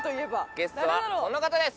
ゲストはこの方です！